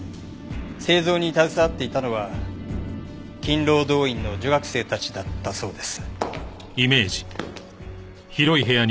製造に携わっていたのは勤労動員の女学生たちだったそうです。